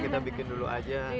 kita bikin dulu aja